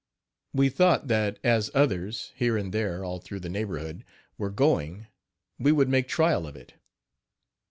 We thought that as others, here and there, all through the neighborhood, were going, we would make trial of it.